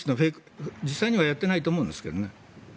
実際にはやってないと思うんですけどね。